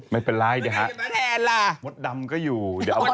ไม่เป็นไรดิฮะมดดำก็อยู่